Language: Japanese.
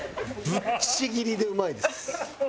ぶっちぎりでうまいです。